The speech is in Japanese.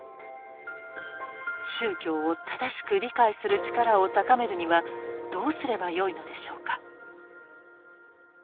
宗教を正しく理解する力を高めるにはどうすればよいのでしょうか。